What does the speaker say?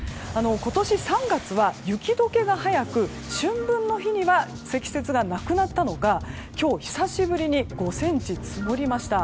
今年３月は、雪解けが早く春分の日には積雪がなくなったのが今日、久しぶりに５ｃｍ積もりました。